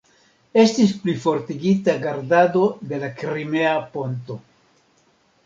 Estis plifortigita gardado de la Krimea ponto.